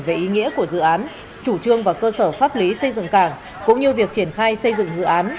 về ý nghĩa của dự án chủ trương và cơ sở pháp lý xây dựng cảng cũng như việc triển khai xây dựng dự án